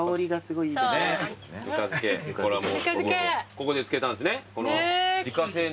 ここで漬けたんですね？